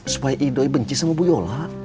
supaya idoi benci sama bu yola